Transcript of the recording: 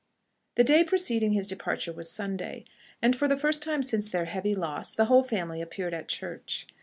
The day preceding his departure was Sunday, and for the first time since their heavy loss the whole family appeared at church.